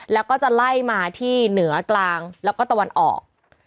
แล้วก็จะไล่มาที่เหนือกลางแล้วก็ตะวันออก